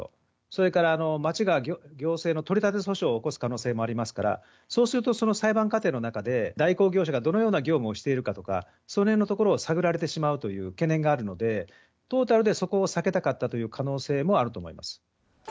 それから町が行政の取り立て訴訟を起こす可能性もありますから、そうすると、その裁判過程の中で、代行業者がどのような業務をしているかとか、そのへんのところを探られてしまうという懸念があるので、トータルでそこを避けたかったという可能性もあると思います。